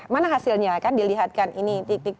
mana hasilnya kan dilihatkan ini